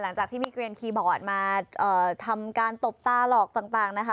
หลังจากที่มีเกลียนคีย์บอร์ดมาทำการตบตาหลอกต่างนะคะ